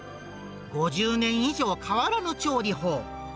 ５０年以上変わらぬ調理法。